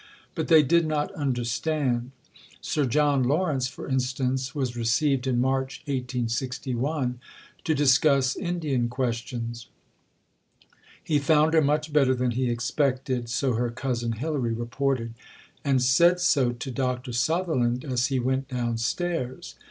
But they did not understand. Sir John Lawrence, for instance, was received in March 1861, to discuss Indian questions. "He found her much better than he expected," so her cousin Hilary reported, "and said so to Dr. Sutherland as he went downstairs.